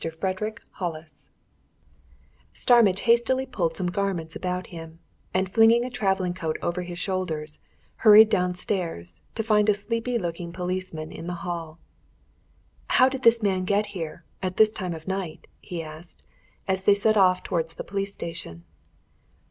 FREDERICK HOLLIS Starmidge hastily pulled some garments about him, and flinging a travelling coat over his shoulders, hurried downstairs, to find a sleepy looking policeman in the hall. "How did this man get here at this time of night?" he asked, as they set off towards the police station.